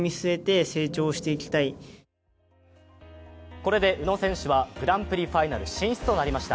これで宇野選手はグランプリファイナル進出となりました。